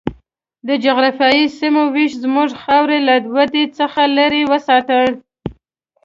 د جغرافیایي سیمو وېش زموږ خاوره له ودې څخه لرې وساتله.